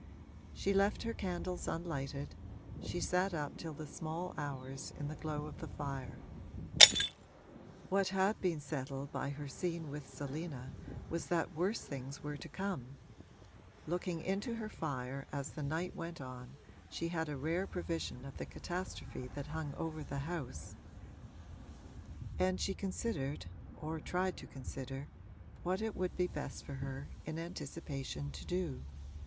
She left her candles unlighted she sat up till the small hours, in the glow of the fire. What had been settled by her scene with Selina was that worse things were to come (looking into her fire, as the night went on, she had a rare prevision of the catastrophe that hung over the house), and she considered, or tried to consider, what it would be best for her, in anticipation, to do.